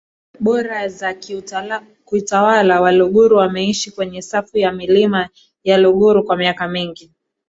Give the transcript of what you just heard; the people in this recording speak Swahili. bora za kiutawalaWaluguru wameishi kwenye safu ya Milima ya Uluguru kwa miaka mingi